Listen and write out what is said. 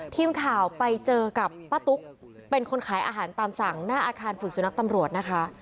ทีมข่าวไปเจอกับป้าตุ๊กเป็นคนขายอาหารตามสั่งหน้าอาคารฝึกสุนัขตำรวจนะคะ